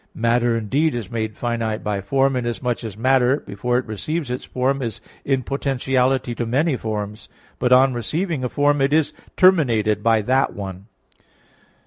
Matter indeed is made finite by form, inasmuch as matter, before it receives its form, is in potentiality to many forms; but on receiving a form, it is terminated by that one.